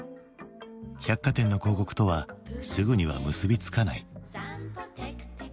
百貨店の広告とはすぐには結び付かない。